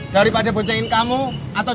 dari tadi aku narik kan soy